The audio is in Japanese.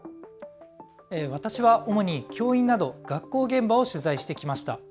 私は主に教員など学校現場を取材してきました。